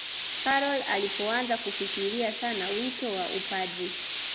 karol alipoanza kufikiria sana wito wa upadri